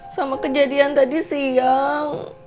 sama kejadian tadi siang